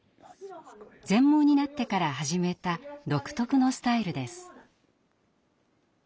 全盲になってから始めた独特のスタイルです。